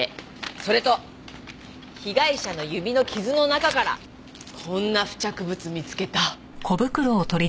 それと被害者の指の傷の中からこんな付着物見つけた。